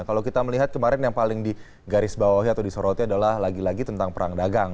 kalau kita melihat kemarin yang paling di garis bawahnya atau disorotnya adalah lagi lagi tentang perang dagang